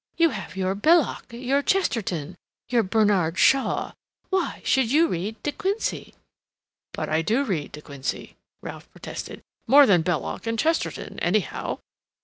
You have your Belloc, your Chesterton, your Bernard Shaw—why should you read De Quincey?" "But I do read De Quincey," Ralph protested, "more than Belloc and Chesterton, anyhow."